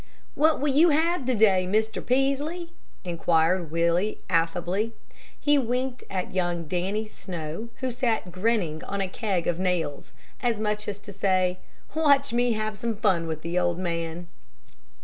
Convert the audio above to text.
"What will you have to day, Mr. Peaslee?" inquired Willie, affably. He winked at young Dannie Snow, who sat grinning on a keg of nails, as much as to say, "Watch me have some fun with the old man."